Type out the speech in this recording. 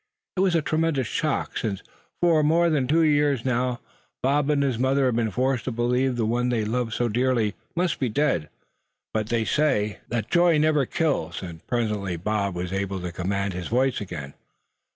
It was a tremendous shock, since, for more than two years now, Bob and his mother had been forced to believe the one they loved so dearly must be dead; but they say that joy never kills, and presently Bob was able to command his voice again.